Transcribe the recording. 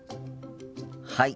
はい。